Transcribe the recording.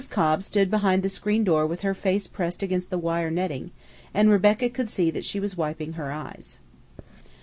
Cobb stood behind the screen door with her face pressed against the wire netting, and Rebecca could see that she was wiping her eyes.